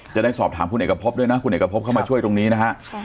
จะได้สอบถามคุณเอกพบด้วยนะคุณเอกพบเข้ามาช่วยตรงนี้นะฮะ